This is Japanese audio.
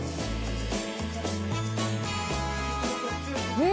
うん！